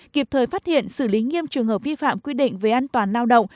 kịp thời phát hiện xử lý nghiêm trường hợp vi phạm quy định về an toàn lao động